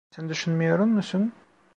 Sen düşünmüyor musun?